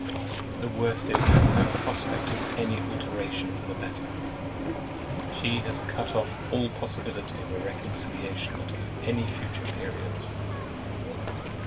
The worst is, I have no prospect of any alteration for the better: she has cut off all possibility of a reconcilement at any future period.